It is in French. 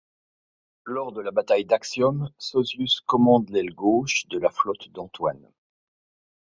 Lors de la bataille d'Actium, Sosius commande l'aile gauche de la flotte d'Antoine.